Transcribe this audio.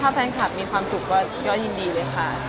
แฟนคลับมีความสุขก็ยินดีเลยค่ะ